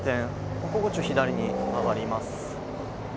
ここを左に曲がります。